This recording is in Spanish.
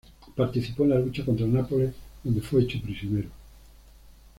Participó en la lucha contra Nápoles donde fue hecho prisionero.